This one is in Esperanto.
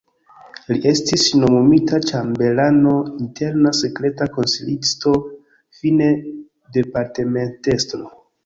Li estis nomumita ĉambelano, interna sekreta konsilisto, fine departementestro.